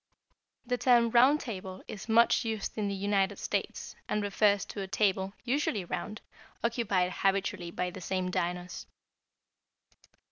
The term Round Table is much used in the United States, and refers to a table, usually round, occupied habitually by the same diners.